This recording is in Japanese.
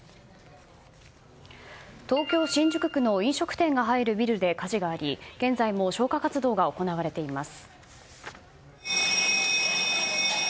東京・新宿区の飲食店が入るビルで火事があり現在も消火活動が行われています。